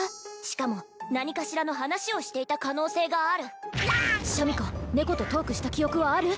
しかも何かしらの話をしていた可能性があるシャミ子猫とトークした記憶はある？